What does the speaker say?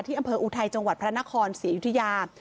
อำเภออุทัยจังหวัดพระนครศรีอยุธยา